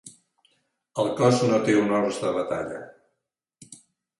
El cos no té honors de batalla.